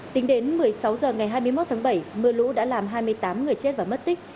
tính đến một mươi sáu h ngày hai mươi một tháng bảy mưa lũ đã làm hai mươi tám người chết và mất tích